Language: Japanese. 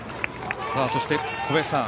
そして小林さん